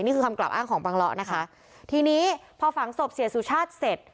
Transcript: คำกล่าวอ้างของบังเลาะนะคะทีนี้พอฝังศพเสียสุชาติเสร็จ